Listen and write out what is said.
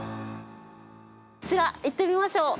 こちら、行ってみましょう。